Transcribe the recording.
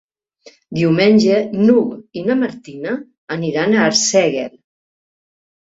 Diumenge n'Hug i na Martina iran a Arsèguel.